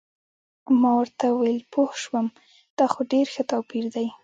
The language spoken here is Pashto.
ما ورته وویل: پوه شوم، دا خو ډېر ښه توپیر دی.